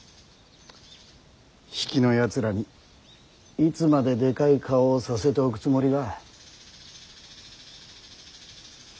比企のやつらにいつまででかい顔をさせておくつもりだ。